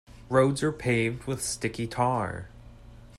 Roads are paved with sticky tar.